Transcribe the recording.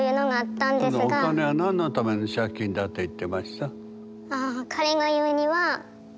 そのお金は何のための借金だって言ってました？